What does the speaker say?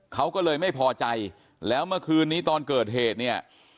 เขาก็เลยไม่พอใจแล้วเมื่อคืนนี้ตอนเกิดเหตุเนี่ย